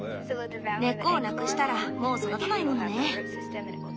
根っこをなくしたらもう育たないものね。